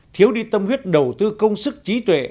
thiếu đi tâm huyết đầu tư công sức trí tuệ